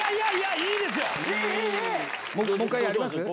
いいですよ！